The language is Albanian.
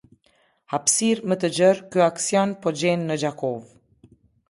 Hapësirë më të gjerë ky aksion po gjen në Gjakovë.